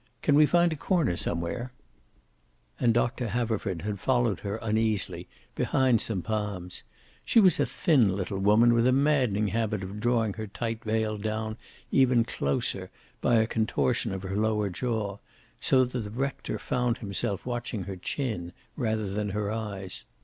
Can we find a corner somewhere?" And Doctor Haverford had followed her uneasily, behind some palms. She was a thin little woman with a maddening habit of drawing her tight veil down even closer by a contortion of her lower jaw, so that the rector found himself watching her chin rather than her eyes.